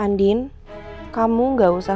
andin kamu gak usah